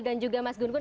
dan juga mas gun gun